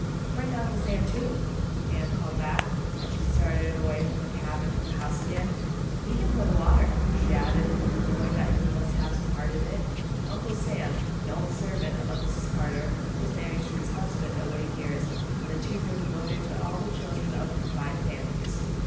"Bring Uncle Sam, too," Anne called back, as she started away from the cabin to the house again. "He can pour the water," she added, knowing that he must have some part in it. Uncle Sam, an old servant of Mrs. Carter, was Mammy Sue's husband of late years, and the two were devoted to all the children of the combined families.